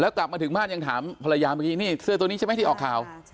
กลับมาถึงบ้านยังถามภรรยาเมื่อกี้นี่เสื้อตัวนี้ใช่ไหมที่ออกข่าว